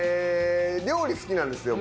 料理好きなんですよ